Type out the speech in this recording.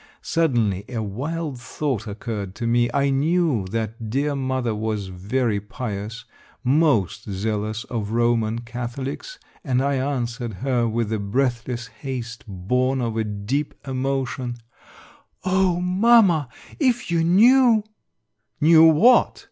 Suddenly a wild thought occurred to me. I knew that dear mother was very pious, most zealous of Roman CathoHcs, and I answered her with the breathless haste born of a deep emotion, — The Pope is Dead, 275 " Oh, mamma ! If you knew !"" Knew what?